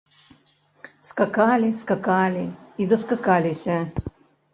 Скакалі, скакалі і даскакаліся.